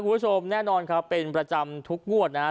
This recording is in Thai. คุณผู้ชมแน่นอนครับเป็นประจำทุกงวดนะครับ